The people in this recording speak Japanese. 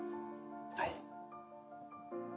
はい。